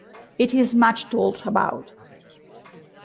It is much talked about.